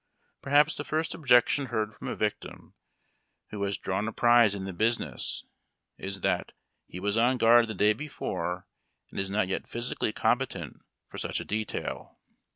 Perhaps the first objection heard from a victim who has drawn a prize in the business is that •' he was on guard the day before, and is not yet physically competent for such a detail."